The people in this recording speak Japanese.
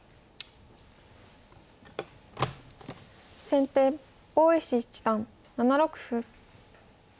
先手大石七段７六歩。